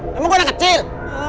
emang gue anak kecil